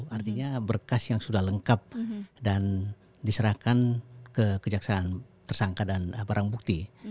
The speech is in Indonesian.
artinya berkas yang sudah lengkap dan diserahkan ke kejaksaan tersangka dan barang bukti